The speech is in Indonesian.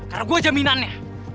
karena gue jaminannya